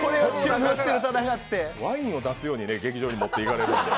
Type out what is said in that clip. ワインを出すように劇場に持って行かれるんで。